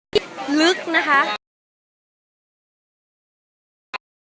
มีแต่โดนล้าลาน